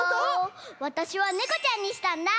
わたしはネコちゃんにしたんだ！